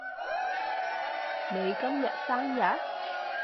你今日生日？